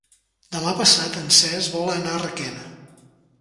Demà passat en Cesc vol anar a Requena.